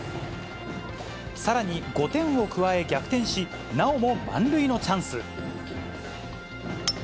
さらに５点を加え、逆転し、なおも満塁のチャンス。